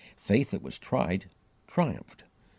Faith that was tried, triumphed.